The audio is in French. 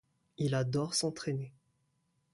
Il adore s'entraîner.